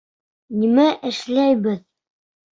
Нимә эшләйбеҙ?